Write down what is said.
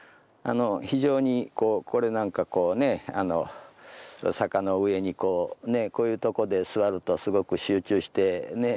非常にこうこれなんかこうね坂の上にこうねこういうとこで坐るとすごく集中してね